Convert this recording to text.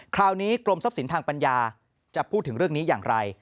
กรมทรัพย์สินทางปัญญาจะพูดถึงเรื่องนี้อย่างไร